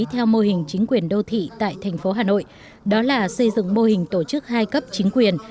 theo mô hình chính quyền đô thị tại thành phố hà nội đó là xây dựng mô hình tổ chức hai cấp chính quyền